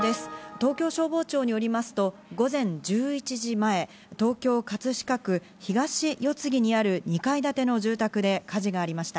東京消防庁によりますと、午前１１時前、東京・葛飾区東四つ木にある２階建ての住宅で火事がありました。